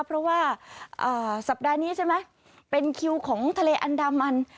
เพราะว่าสัปดาห์นี้ใช่ไหมเป็นคิวของทะเลอันดามัน